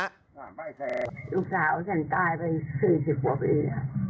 สองลูกสาวฉันตายไป๔๐กว่าปี